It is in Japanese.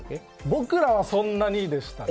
僕らは、そんなにでしたね。